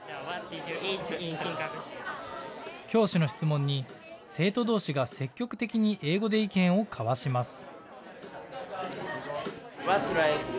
教師の質問に生徒どうしが積極的に英語で意見を交わします。